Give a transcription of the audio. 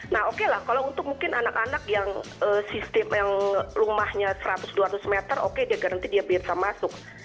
nah oke lah kalau untuk mungkin anak anak yang sistem yang rumahnya seratus dua ratus meter oke dia berhenti dia biasa masuk